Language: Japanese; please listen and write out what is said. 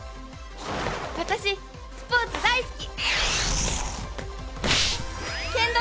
私スポーツ大好き！